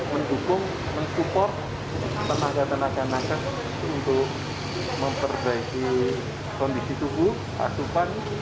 mendukung mensupport tenaga tenaga nakas untuk memperbaiki kondisi tubuh asupan